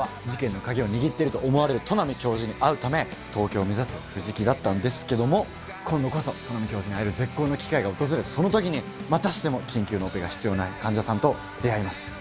事件の鍵を握ってると思われる都波教授に会うため、東京を目指す藤木だったんですけれども、今度こそ、都波教授に会える絶好の機会が訪れ、そのときにまたしても緊急のオペが必要な患者さんと出会います。